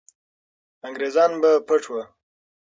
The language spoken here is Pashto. انګریزان به پټ وو.